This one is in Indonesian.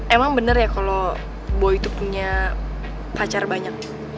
emang bener ya kalau boy itu punya pacar banyak